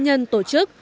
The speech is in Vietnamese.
nhiều cá nhân tổ chức